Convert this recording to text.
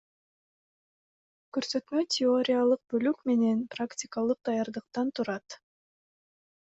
Көрсөтмө теориялык бөлүк менен практикалык даярдыктардан турат.